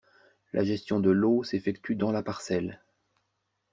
La gestion de l'eau s'effectue dans la parcelle.